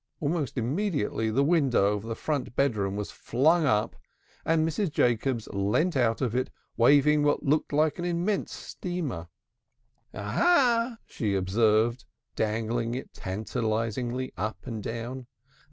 Almost immediately the window of the front bedroom was flung up, and Mrs. Jacobs leant out of it waving what looked like an immense streamer. "Aha," she observed, dangling it tantalizingly up and down.